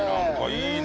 いいね！